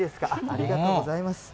ありがとうございます。